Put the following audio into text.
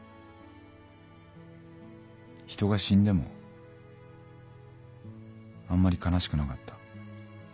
人が死んでもあんまり悲しくなかった。